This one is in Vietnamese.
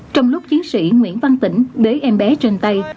trong lúc chiến sĩ nguyễn văn tĩnh đế em bé trên tay